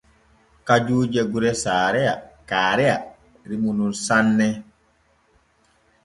Kajuuje gure Kaareya rimu nun sanne.